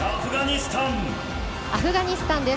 アフガニスタンです。